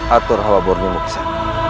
atau rawa borne muka